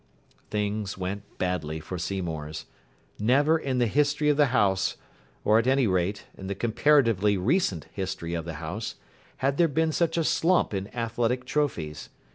Things went badly for Seymour's. Never in the history of the house, or, at any rate, in the comparatively recent history of the house, had there been such a slump in athletic trophies.